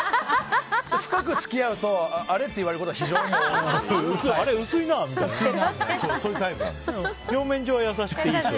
深く付き合うとあれ？って言われることは非常に多いです。